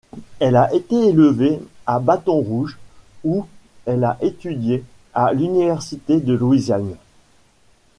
Elle a été élevée à Bâton-Rouge, où elle a étudié à l'Université de Louisiane.